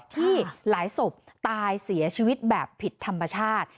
ที่หลายศพตายเสียชีวิตแบบผิดธรรมชาติ